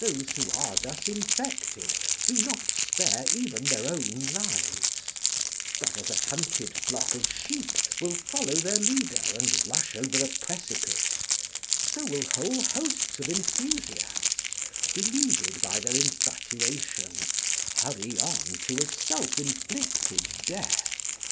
Those who are thus infected do not spare even their own lives, but as a hunted flock of sheep will follow their leader and rush over a precipice, so will whole hosts of enthusiasts, deluded by their infatuation, hurry on to a self inflicted death.